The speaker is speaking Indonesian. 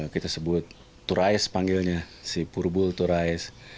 kita sebut turais panggilnya si purbul turais